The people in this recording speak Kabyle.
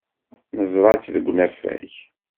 Neẓra-tt deg unafag.